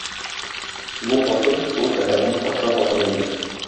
Бу хатын шул шәһәрнең патша хатыны иде.